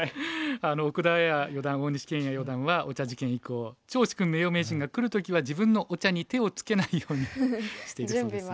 奥田あや四段大西研也四段はお茶事件以降趙治勲名誉名人が来る時は自分のお茶に手をつけないようにしているそうですよ。